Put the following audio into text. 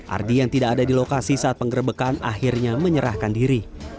ardi yang tidak ada di lokasi saat penggerbekan akhirnya menyerahkan diri